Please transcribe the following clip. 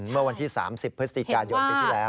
เมื่อวันที่๓๐พฤษฎีกาญญงตีที่แล้ว